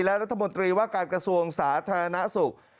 และรัฐมนตรีว่าการกระทรวงสาธารณสุข